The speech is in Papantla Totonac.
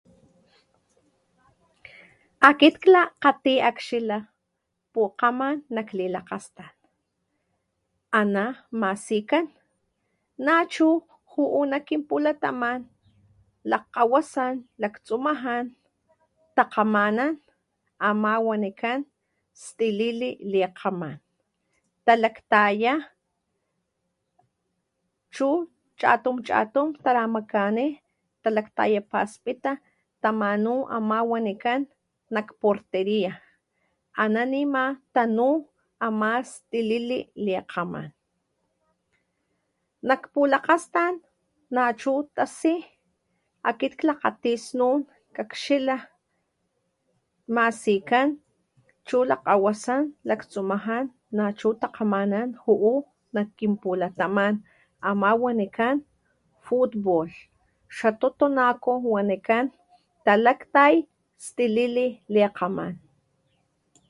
Akit glakgati akxila pukgaman nak lilakgastan ana masikan nachu juhu nak kin pulataman lakgawasan laktsumajan takamanan ama wanikan tilili likaman talaktaya chu chatum chatum taramakani talakgtayapaspita tamanu ama wanican nak porteria ama nima an tanu ama ltilili likaman nak pulakastan nachu tasi akit kglagati snun kgaxila masikan chu lakgawasan lakgtsumajan nachu takamanan juhu nak kin pulataman ama wanican futbol xa tutunaco wanikan talaktay tilili likaman.